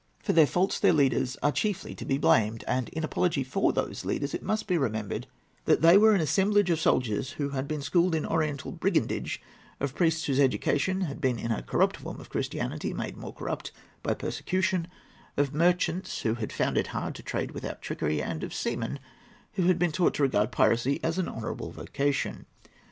For their faults their leaders are chiefly to be blamed; and in apology for those leaders, it must be remembered that they were an assemblage of soldiers who had been schooled in oriental brigandage, of priests whose education had been in a corrupt form of Christianity made more corrupt by persecution, of merchants who had found it hard to trade without trickery, and of seamen who had been taught to regard piracy as an honourable vocation.